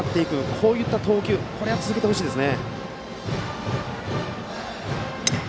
そういった投球を続けてほしいです。